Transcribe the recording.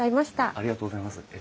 ありがとうございます。